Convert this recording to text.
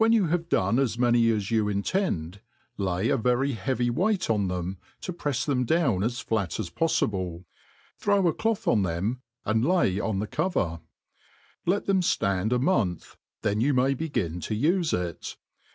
you have done as many as you intend, lay a very heavy ti^ight on them, to prefs them down as flat .as poAfede^' thr6w a clotb on them, and lay on the cover ; Jet them fiand a month, then ynu may begin to ufe it.